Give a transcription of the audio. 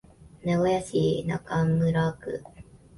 名古屋市中村区